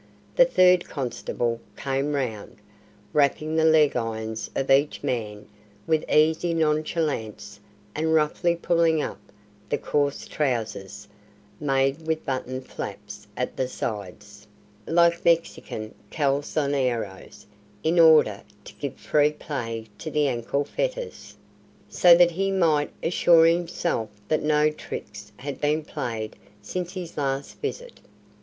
The third constable came round, rapping the leg irons of each man with easy nonchalance, and roughly pulling up the coarse trousers (made with buttoned flaps at the sides, like Mexican calzoneros, in order to give free play to the ankle fetters), so that he might assure himself that no tricks had been played since his last visit.